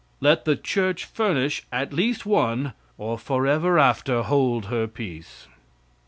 Let the church furnish at least one, or forever after hold her peace.